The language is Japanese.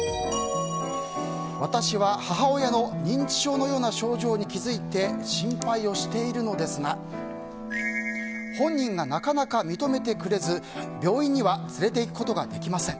私は、母親の認知症のような症状に気づいて心配をしているのですが本人がなかなか認めてくれず病院には連れていくことができません。